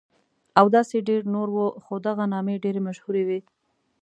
او داسې ډېر نور وو، خو دغه نامې ډېرې مشهورې وې.